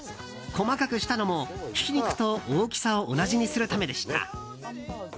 細かくしたのはひき肉と大きさを同じにするためでした。